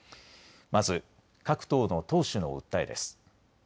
まず各党の党首の訴えです。